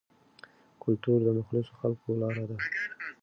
کلتور د مخلصو خلکو لاره ده.